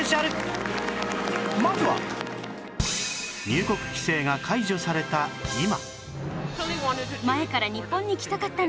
入国規制が解除された今